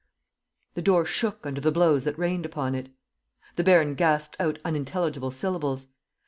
..." The door shook under the blows that rained upon it. The baron gasped out unintelligible syllables.